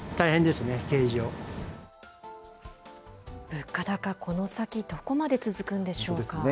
物価高、この先、どこまで続くんでしょうか。